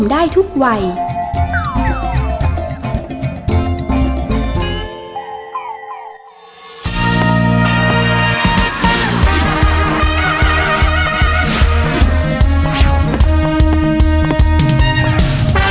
ไม่รู้ว่า